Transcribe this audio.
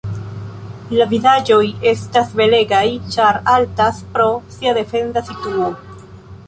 La vidaĵoj estas belegaj ĉar altas pro sia defenda situo.